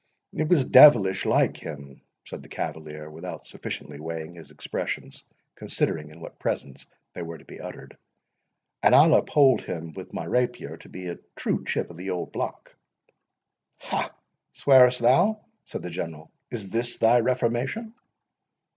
"It was devilish like him," said the cavalier, without sufficiently weighing his expressions, considering in what presence they were to be uttered—"And I'll uphold him with my rapier, to be a true chip of the old block!" "Ha, swearest thou?" said the General. "Is this thy reformation?"